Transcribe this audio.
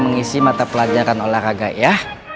mengisi mata pelajaran olahraga ya